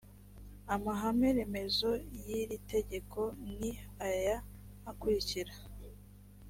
amahame remezo y iri tegeko ni aya akurikira